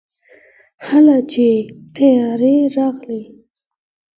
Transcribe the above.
هلئ چې طيارې راغلې.